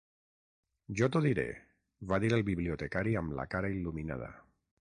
"Jo t'ho diré", va dir el bibliotecari amb la cara il·luminada.